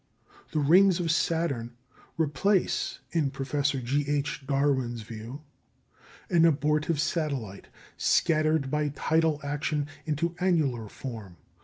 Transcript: The rings of Saturn replace, in Professor G. H. Darwin's view, an abortive satellite, scattered by tidal action into annular form.